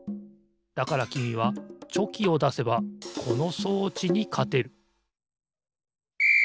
だからきみはチョキをだせばこの装置にかてるピッ！